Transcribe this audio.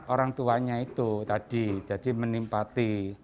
orang tuanya itu tadi jadi menimpati